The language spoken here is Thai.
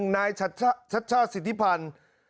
นายชัชชาติสิทธิพันธ์